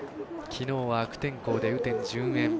きのうは悪天候で雨天順延。